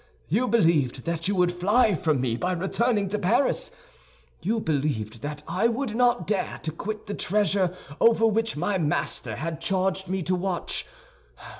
You believed that you would fly from me by returning to Paris; you believed that I would not dare to quit the treasure over which my master had charged me to watch.